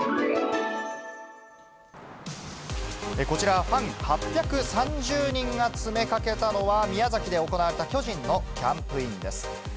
こちら、ファン８３０人が詰めかけたのは、宮崎で行われた巨人のキャンプインです。